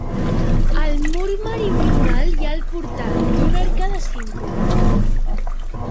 Al mur meridional hi ha el portal, d'una arcada simple.